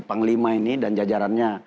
panglima ini dan jajarannya